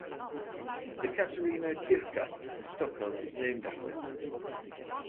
The Katarina kyrka in Stockholm is named after her.